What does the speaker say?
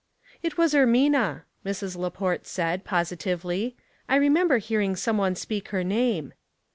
" It was Ermina," Mrs. Laport said, posi tively. " I remember hearing some one speak her name."